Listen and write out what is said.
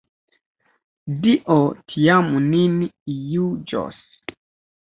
Dio tiam nin juĝos!